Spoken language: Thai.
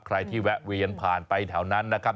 ใครที่แวะเวียนผ่านไปแถวนั้นนะครับ